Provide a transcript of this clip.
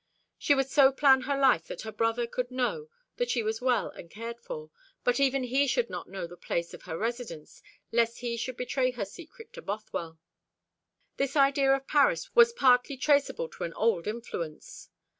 She would so plan her life that her brother could know that she was well and well cared for; but even he should not know the place of her residence, lest he should betray her secret to Bothwell. This idea of Paris was partly traceable to an old influence.